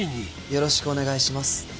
よろしくお願いします